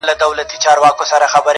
روح مي لا ورک دی، روح یې روان دی.